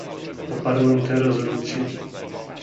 Poparłem tę rezolucję